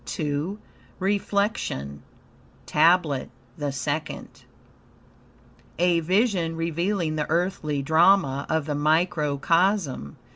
II REFLECTION TABLET THE SECOND A vision revealing the earthly drama of the microcosm.